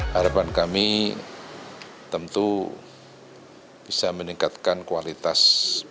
harapan kami tentu bisa meningkatkan kualitas